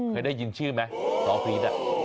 เคยได้ยินชื่อไหมซอสพรีซ